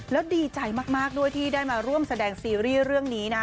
แล้วดีใจมากด้วยที่ได้มาร่วมแสดงซีรีส์เรื่องนี้นะ